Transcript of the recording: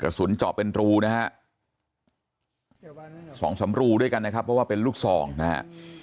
สุนเจาะเป็นรูนะฮะสองสามรูด้วยกันนะครับเพราะว่าเป็นลูกซองนะฮะ